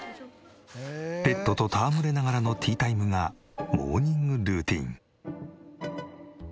ペットと戯れながらのティータイムがモーニングルーティーン。